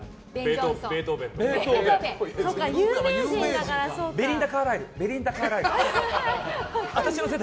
ベートーベン。